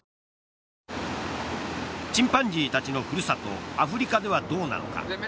チンパンジーたちの古里アフリカではどうなのか。